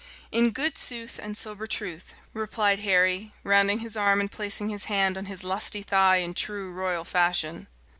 "In good sooth and sober truth," replied Henry, rounding his arm and placing his hand on his lusty thigh in true royal fashion.